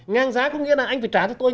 ngang giá có nghĩa là anh phải trả cho tôi